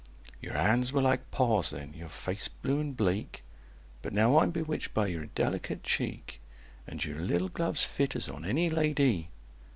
"Your hands were like paws then, your face blue and bleak But now I'm bewitched by your delicate cheek, And your little gloves fit as on any la dy!"